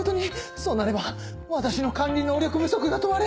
そうなれば私の管理能力不足が問われ。